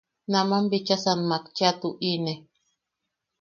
Naman bichasan mak cheʼa tuʼi-ne.